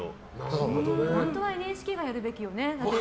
本当はＮＨＫがやるべきよね。